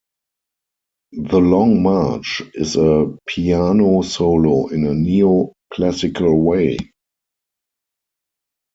"The Long March" is a piano solo in a neo-classical way.